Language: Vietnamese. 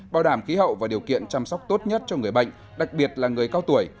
bảo đảm khí hậu và điều kiện chăm sóc tốt nhất cho người bệnh đặc biệt là người cao tuổi